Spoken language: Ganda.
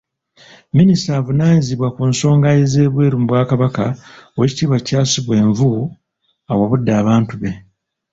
Minisita avunaanyzibwa ku nsonga ez'ebweru mu Bwakabaka, oweekitiibwa Charles Bwenvu awabudde abantu be.